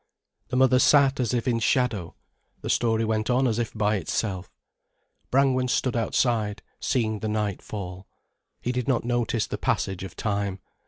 The mother sat as if in shadow, the story went on as if by itself. Brangwen stood outside seeing the night fall. He did not notice the passage of time.